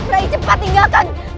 rai cepat tinggalkan